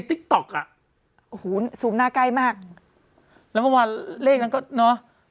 ติ๊กต๊อกอ่ะโอ้โหซูมหน้าใกล้มากแล้วเมื่อวานเลขนั้นก็เนอะ